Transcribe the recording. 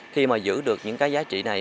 khi mà giữ được những cái giá trị này